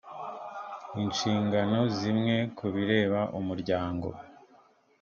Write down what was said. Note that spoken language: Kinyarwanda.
inshingano zimwe ku bireba umuryango